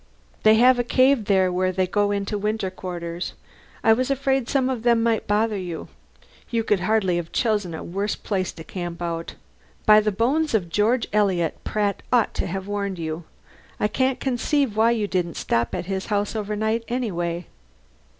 They have a cave there where they go into winter quarters. I was afraid some of them might bother you. You could hardly have chosen a worse place to camp out. By the bones of George Eliot, Pratt ought to have warned you. I can't conceive why you didn't stop at his house overnight anyway."